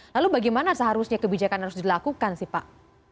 lalu bagaimana seharusnya kebijakan harus dilakukan sih pak